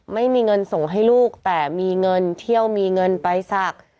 ไม่มีเงินส่งให้ลูกแต่มีเงินเที่ยวมีเงินไปศักดิ์